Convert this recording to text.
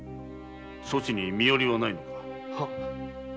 そちに身寄りはないのか？